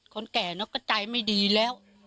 คนแก่เนอะก็ใจไม่ดีแล้ว